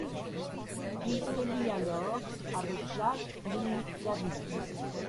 Il se lie alors avec Jacques-Louis David.